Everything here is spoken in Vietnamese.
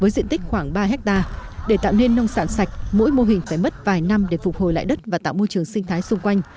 diện tích khoảng ba hectare để tạo nên nông sản sạch mỗi mô hình phải mất vài năm để phục hồi lại đất và tạo môi trường sinh thái xung quanh